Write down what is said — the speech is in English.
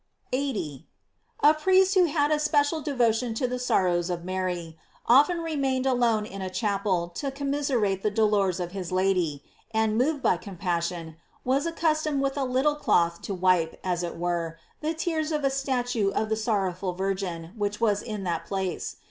* 80. — A priest who had a special devotion to the sorrows of Mary, often remained alone in a chapel to commiserate the dolors of his Lady, and, moved by compassion, was accustomed with a little cloth to wipe, as it were, the tears of a statue of the sorrowful Virgin which was in that place.